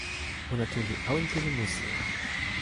ona tu li awen pilin musi.